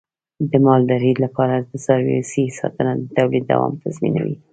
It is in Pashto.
د مالدارۍ لپاره د څارویو صحي ساتنه د تولید دوام تضمینوي.